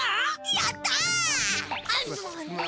やった！